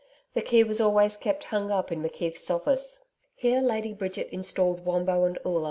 The key was always kept hung up in McKeith's office. Here Lady Bridget installed Wombo and Oola.